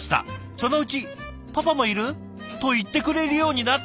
そのうち『パパもいる？』と言ってくれるようになったのです。